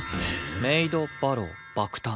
メイド・バロウ爆誕。